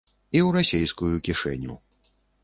І ў расейскую кішэню.